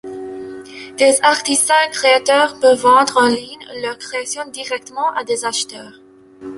Des artisans créateurs peuvent vendre en ligne leurs créations directement à des acheteurs.